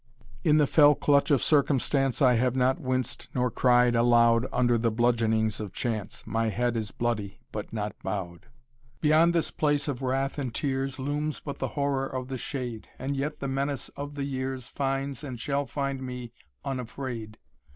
In the fell clutch of circumstance I have not winced nor cried aloud Under the bludgeonings of chance, My head is bloody but not bowed. Beyond this place of wrath and tears Looms but the Horror of the shade, And yet the menace of the years Finds and shall find me unafraid.